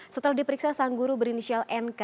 setelah diperiksa sang guru berinisial nk